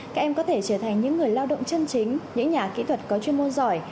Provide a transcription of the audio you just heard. các em có thể trở thành những người lao động chân chính những nhà kỹ thuật có chuyên môn giỏi